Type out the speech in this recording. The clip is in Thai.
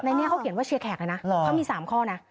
นี้เขาเขียนว่าเชียร์แขกเลยนะเขามี๓ข้อนะ